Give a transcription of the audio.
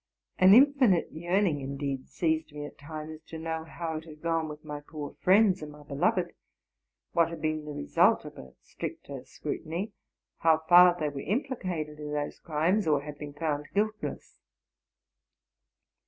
An infinite yearning, indeed, seized me at times to know how it had gone with my poor friends and my beloved, what had been the result of a stricter scrutiny, how far they were implicated in those crimes, or had been found guiltless.